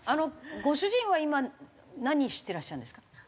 ご主人は今何していらっしゃるんですか？